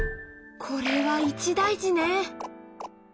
これは一大事ね！